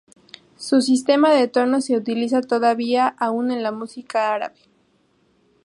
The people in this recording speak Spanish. Su sistema de tonos se utiliza todavía aún en la música árabe.